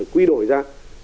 quy đổi ra